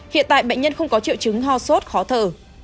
hiện tại bệnh nhân không có triệu chứng ho sốt khó thở